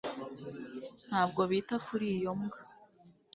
ntabwo bita kuri iyo mbwa